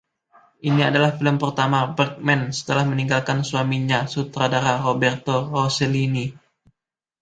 Ini adalah film pertama Bergman setelah meninggalkan suaminya, sutradara Roberto Rossellini.